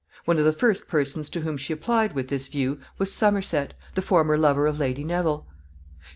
One of the first persons to whom she applied with this view was Somerset, the former lover of Lady Neville.